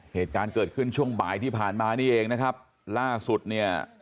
เหตุการณ์เกิดขึ้นช่วงบ่ายที่ผ่านมานี่เองนะครับล่าสุดเนี่ย